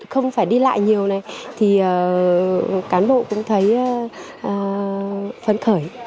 không phải đi lại nhiều này thì cán bộ cũng thấy phấn khởi